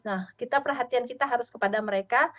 nah kita perhatian kita harus kepada mereka